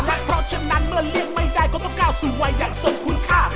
เพราะฉะนั้นเมื่อเลี่ยงไม่ได้ก็ต้องก้าวสู่วัยอย่างทรงคุณค่า